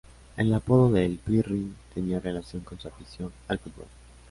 El apodo de "El Pirri" tenía relación con su afición al fútbol.